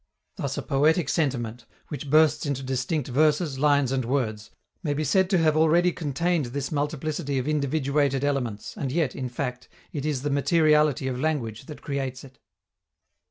Thus, a poetic sentiment, which bursts into distinct verses, lines and words, may be said to have already contained this multiplicity of individuated elements, and yet, in fact, it is the materiality of language that creates it.